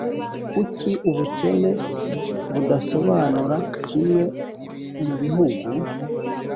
kuki ubukene budasobanura kimwe mu bihugu.